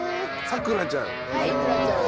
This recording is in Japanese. さくらちゃん。